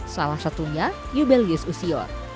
salah satunya yubelius usio